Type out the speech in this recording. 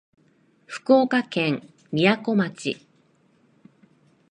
福岡県みやこ町